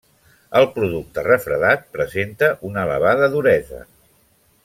El producte refredat presenta una elevada duresa.